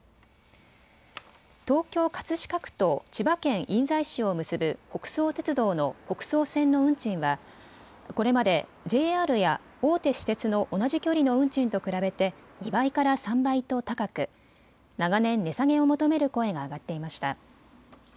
東京葛飾区と千葉県印西市を結ぶ北総鉄道の北総線の運賃はこれまでＪＲや大手私鉄の同じ距離の運賃と比べて２倍から３倍と高く、長年、値下げを求める声が上がっていました。